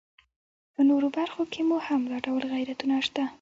په نورو برخو کې مو هم دا ډول غیرتونه شته.